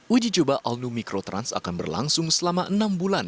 uji coba alnu mikrotrans akan berlangsung selama enam bulan